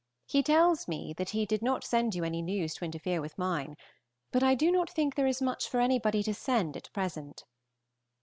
He tells me that he did not send you any news to interfere with mine, but I do not think there is much for anybody to send at present.